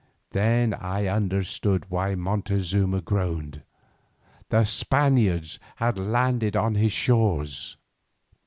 Then I understood why Montezuma groaned. The Spaniards had landed on his shores!